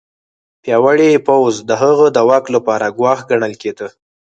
پیاوړی پوځ د هغه د واک لپاره ګواښ ګڼل کېده.